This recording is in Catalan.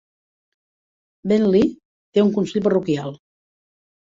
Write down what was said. Bentley té un Consell parroquial.